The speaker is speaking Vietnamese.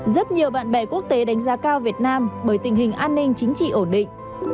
rất nhiều bạn bè quốc tế đánh giá cao việt nam bởi tình hình an ninh chính trị ổn định